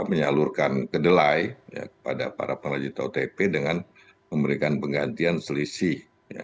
menyalurkan kedelai kepada para pengrajin tahu dan tempe dengan memberikan penggantian selisih